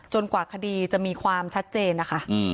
กว่าคดีจะมีความชัดเจนนะคะ